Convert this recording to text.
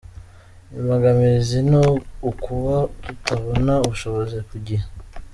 Imbogamizi ni ukuba tutabona ubushobozi ku gihe.